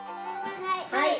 はい。